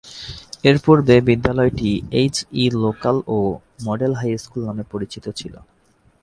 এর পূর্বে বিদ্যালয়টি এইচ ই লোকাল ও মডেল হাই স্কুল নামে পরিচিত ছিল।